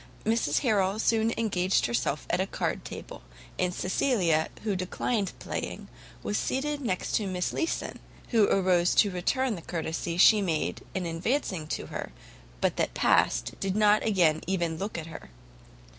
Mrs Harrel soon engaged herself at a card table; and Cecilia, who declined playing, was seated next to Miss Leeson, who arose to return the courtesy she made in advancing to her, but that past, did not again even look at her.